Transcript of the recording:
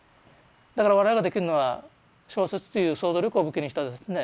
だから我々ができるのは小説という想像力を武器にしたですね